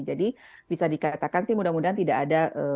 jadi bisa dikatakan sih mudah mudahan tidak ada